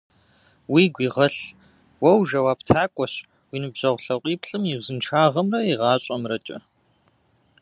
Уигу игъэлъ: уэ ужэуаптакӏуэщ уи ныбжьэгъу лъакъуиплӏым и узыншагъэмрэ и гъащӏэмрэкӏэ.